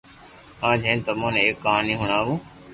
آج ھين تمو ني ايڪ ڪہاني ھڻاوو